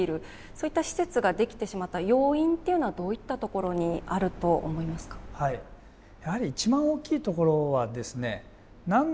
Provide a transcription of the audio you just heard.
そういった施設ができてしまった要因っていうのはどういったところにあるとやはり一番大きいところはですね。